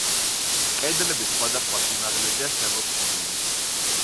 კედლები სხვადასხვა სიმაღლეზეა შემორჩენილი.